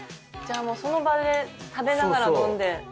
じゃあもうその場で食べながら飲んで。